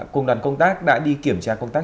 cùng đoàn công tác đã đi kiểm tra công tác